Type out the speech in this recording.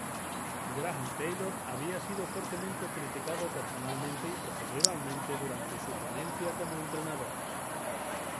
Graham Taylor había sido fuertemente criticado personalmente y profesionalmente durante su tenencia como entrenador.